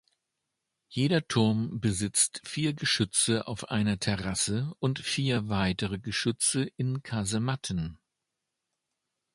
Jeder Turm besitzt vier Geschütze auf einer Terrasse und vier weitere Geschütze in Kasematten.